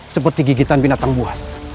seperti gigitan binatang buas